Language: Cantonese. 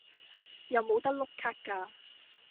有冇得碌卡㗎